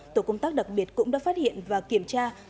tổ công tác đặc biệt cũng đã phát hiện và kiểm tra